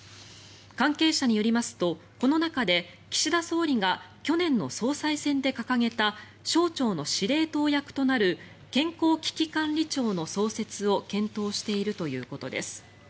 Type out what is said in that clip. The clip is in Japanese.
関係者によりますとこの中で岸田総理が去年の総裁選で掲げた省庁の司令塔役となる健康危機管理庁の創設を検討しているということです。